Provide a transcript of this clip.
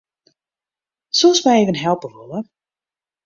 Soest my even helpe wolle?